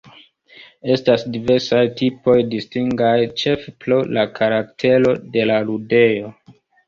Estas diversaj tipoj distingaj ĉefe pro la karaktero de la ludejo.